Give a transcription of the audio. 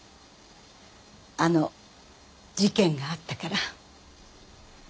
あの事件があったから？